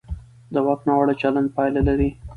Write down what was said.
د واک ناوړه چلند پایله لري